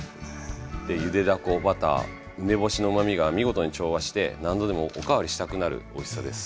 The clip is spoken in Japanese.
でゆでだこバター梅干しのうまみが見事に調和して何度でもお代わりしたくなるおいしさです。